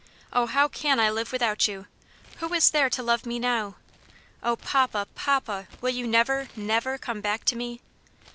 Oh, how can I live without you? who is there to love me now? Oh, papa, papa, will you never, never come back to me?